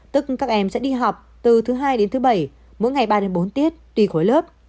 tức các em sẽ đi học từ thứ hai đến thứ bảy mỗi ngày ba đến bốn tiết tùy khối lớp